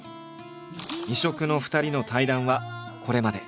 異色の２人の対談はこれまで。